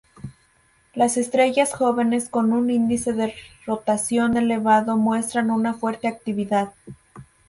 Las estrellas jóvenes con un índice de rotación elevado muestran una fuerte actividad.